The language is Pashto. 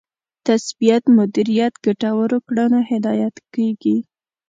تثبیت مدیریت ګټورو کړنو هدایت کېږي.